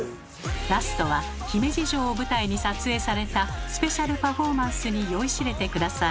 ラストは姫路城を舞台に撮影されたスペシャルパフォーマンスに酔いしれて下さい。